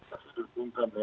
masih ditunggukan ya